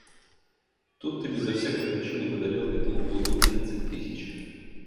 Тут ты безо всякой причины подарил этому плуту тридцать тысяч.